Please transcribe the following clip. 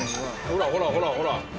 ほらほらほらほら。